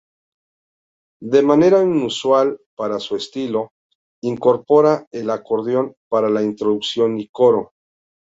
De manera inusual para su estilo, incorpora el acordeón para la introducción y coro.